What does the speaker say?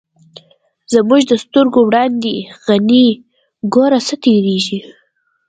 دا زمونږ د سترگو وړاندی «غنی» گوره څه تیریږی